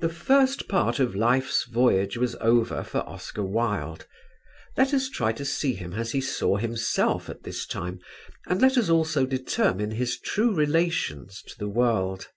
The first part of life's voyage was over for Oscar Wilde; let us try to see him as he saw himself at this time and let us also determine his true relations to the world.